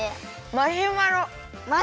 マシュマロ。